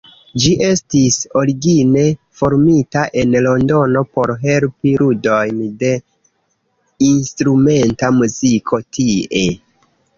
Ĝi estis origine formita en Londono por helpi ludojn de instrumenta muziko tie.